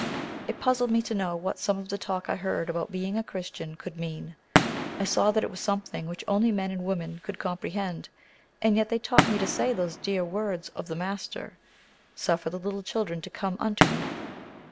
It puzzled me to know what some of the talk I heard about being a Christian could mean. I saw that it was something which only men and women could comprehend. And yet they taught me to say those dear words of the Master, "Suffer the little children to come unto Me!"